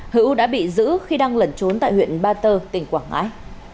hữu đã bị giữ khi đang lẩn trốn tại huyện ba tơ tỉnh quảng ngãi